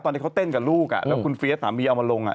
ทุกวันเขาเต้นกับลูกครับแล้วก็คุณเฟียดสามีเอามาลง